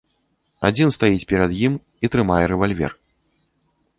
Адзін стаіць перад ім і трымае рэвальвер.